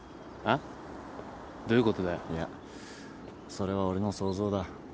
それは俺の想像だ。